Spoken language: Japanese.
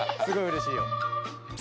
すごいうれしいよ。